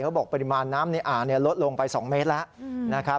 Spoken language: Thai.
เขาบอกปริมาณน้ำอ่างลดลงไป๒เมตรแล้ว